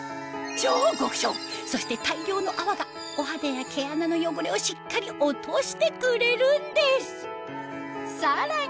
超極小そして大量の泡がお肌や毛穴の汚れをしっかり落としてくれるんですさらに